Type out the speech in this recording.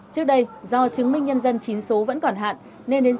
trước đây do chứng minh nhân dân chính số vẫn còn hạn